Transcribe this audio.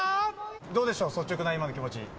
どうでしょう、率直な今の気持ち。